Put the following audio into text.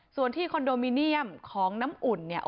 ส่วนที่คอนโดมิเนียมของน้ำอุ่นเนี่ย